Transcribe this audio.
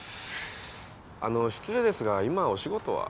あの失礼ですが今お仕事は？